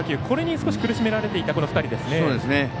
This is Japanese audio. これに少し苦しめられていた２人ですね。